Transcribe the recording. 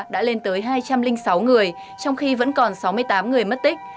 đã lên tới hai trăm linh sáu người trong khi vẫn còn sáu mươi tám người mất tích